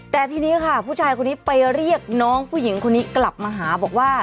แต่ทีนี้ค่ะผู้ชายคนนี้ไปเรียกน้องผู้หญิงคนนี้กลับมาหาบอกว่า